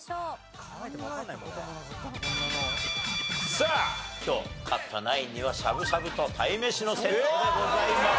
さあ今日勝ったナインにはしゃぶしゃぶと鯛めしのセットでございます。